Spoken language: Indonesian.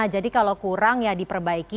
jadi kalau kurang ya diperbaiki